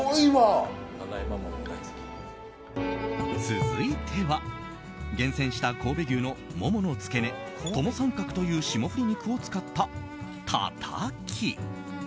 続いては、厳選した神戸牛のモモの付け根トモサンカクという霜降り肉を使ったたたき。